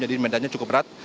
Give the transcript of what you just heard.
jadi medannya cukup berat